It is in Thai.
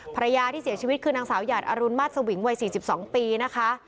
ภรรยาที่เสียชีวิตคือนางสาวหยาดอรุณมาตรสวิงวัย๔๒ปีนะคะ